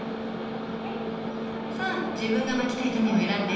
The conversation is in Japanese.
さあ自分がまきたい種を選んで。